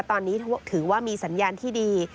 ตอนนี้ถือว่ามีสัญญาณที่ดี